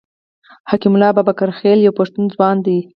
حکیم الله بابکرخېل یو پښتون ځوان دی.